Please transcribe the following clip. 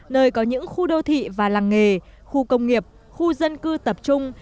nơi có những khu đô thị và làng nghề khu công nghiệp khu dân cư tập trung